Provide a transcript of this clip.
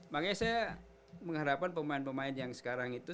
makanya saya mengharapkan pemain pemain yang sekarang itu